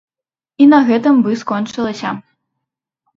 І на гэтым бы скончылася.